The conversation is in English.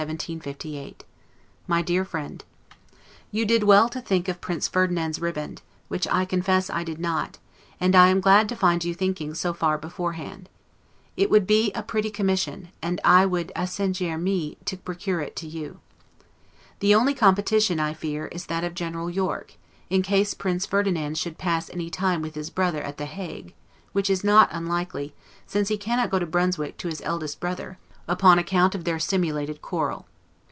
MY DEAR FRIEND: You did well to think of Prince Ferdinand's ribband, which I confess I did not; and I am glad to find you thinking so far beforehand. It would be a pretty commission, and I will 'accingere me' to procure it to you. The only competition I fear, is that of General Yorke, in case Prince Ferdinand should pass any time with his brother at The Hague, which is not unlikely, since he cannot go to Brunswick to his eldest brother, upon account of their simulated quarrel.